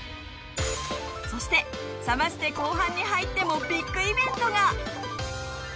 そしてサマステ後半に入ってもビッグイベントが！